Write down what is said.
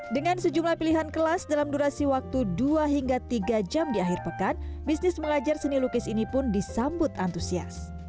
dengan sejumlah pilihan kelas dalam durasi waktu dua hingga tiga jam di akhir pekan bisnis mengajar seni lukis ini pun disambut antusias